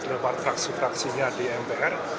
beberapa traksi fraksinya di mpr